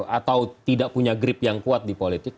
atau tidak punya grip yang kuat di politik